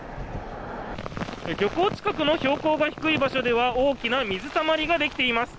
漁港近くの標高が低い場所では大きな水たまりができています。